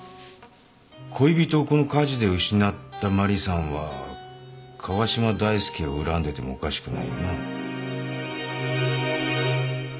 恋人をこの火事で失ったマリさんは川嶋大介を恨んでてもおかしくないよな。